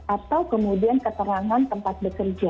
atau kemudian keterangan tempat bekerja